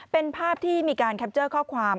เป็นภาพที่มีการแคปเจอร์ข้อความ